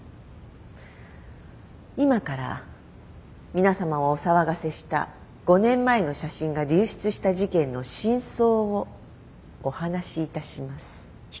今から皆さまをお騒がせした５年前の写真が流出した事件の真相をお話しいたします。